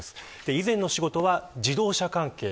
以前の仕事は自動車関係。